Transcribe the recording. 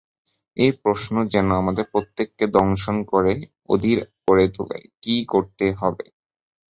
এই প্রশ্ন যেন আমাদের প্রত্যেককে দংশন করে অধীর করে তোলে, কী করতে হবে?